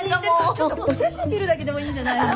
ちょっとお写真見るだけでもいいんじゃないの。